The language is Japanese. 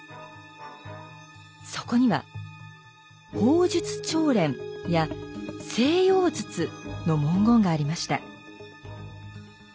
そこには「砲術調練」や「西洋つつ」の文言がありました。